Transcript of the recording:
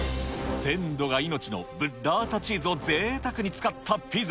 鮮度が命のブッラータチーズをぜいたくに使ったピザ。